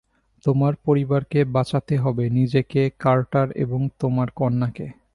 তোমার পরিবারকে বাঁচাতে হবে, নিজেকে, কার্টার এবং তোমার কন্যাকে।